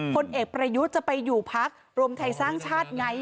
พลเอกประยุทธ์จะไปอยู่พักรวมไทยสร้างชาติไง